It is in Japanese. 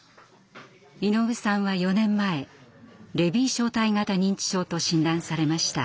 井上さんは４年前レビー小体型認知症と診断されました。